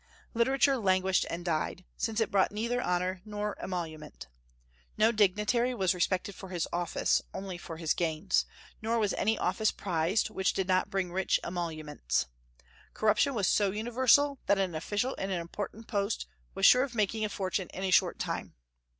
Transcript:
Literature languished and died, since it brought neither honor nor emolument. No dignitary was respected for his office, only for his gains; nor was any office prized which did not bring rich emoluments. Corruption was so universal that an official in an important post was sure of making a fortune in a short time.